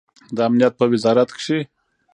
د امنیت په وزارت کې